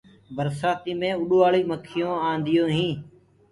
برسآتي مي اُڏوآݪ مکيونٚ آنيونٚ هينٚ۔